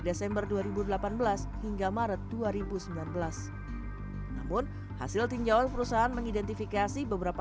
desember dua ribu delapan belas hingga maret dua ribu sembilan belas namun hasil tinjauan perusahaan mengidentifikasi beberapa